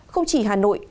không chỉ hà nội